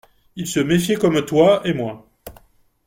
Ils se méfiaient comme toi et moi.